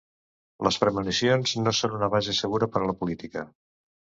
Les premonicions no són una base segura per a la política.